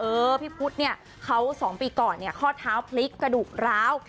เออพี่พุทธเนี่ยเขา๒ปีก่อนเนี่ยข้อเท้าพลิกกระดูกร้าว